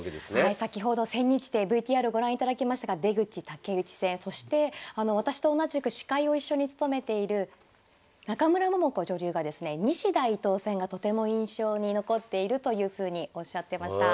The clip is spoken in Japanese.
先ほど千日手ＶＴＲご覧いただきましたが出口・竹内戦そして私と同じく司会を一緒に務めている中村桃子女流がですね西田・伊藤戦がとても印象に残っているというふうにおっしゃってました。